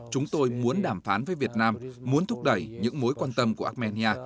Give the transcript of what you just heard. chúng tôi muốn đàm phán với việt nam muốn thúc đẩy những mối quan tâm của armenia